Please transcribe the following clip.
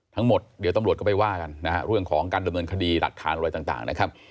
ทั้งหมดเดี๋ยวตำรวจก็ไปว่ากันนะฮะเรื่องของการดำเนินคดีหลักฐานอะไรต่างนะครับ